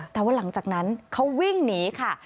แต่ว่าหลังจากนั้นเขาวิ่งหนีค่ะ